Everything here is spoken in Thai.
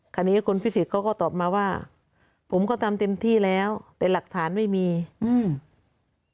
คราวนี้คุณพิสิทธิ์เขาก็ตอบมาว่าผมก็ทำเต็มที่แล้วแต่หลักฐานไม่มีอืม